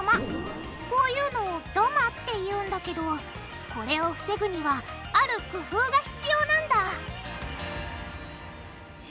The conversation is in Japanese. こういうのを「ダマ」っていうんだけどこれを防ぐにはある工夫が必要なんだえ